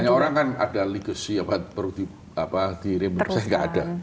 banyak orang kan ada legacy apa perlu di remember saya nggak ada